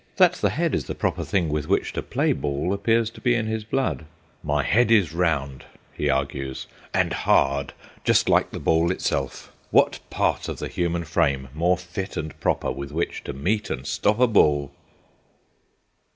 That the head is the proper thing with which to play ball appears to be in his blood. My head is round, he argues, and hard, just like the ball itself; what part of the human frame more fit and proper with which to meet and stop a ball.